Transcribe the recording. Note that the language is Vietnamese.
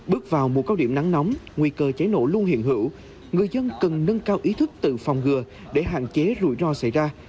bước vào mùa cao điểm nắng nóng nguy cơ cháy nổ luôn hiện hữu người dân cần nâng cao ý thức tự phòng ngừa để hạn chế rủi ro xảy ra